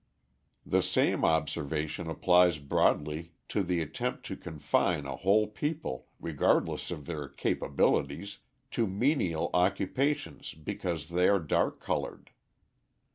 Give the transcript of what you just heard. The same observation applies broadly to the attempt to confine a whole people, regardless of their capabilities, to menial occupations because they are dark coloured.